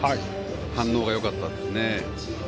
反応がよかったですね。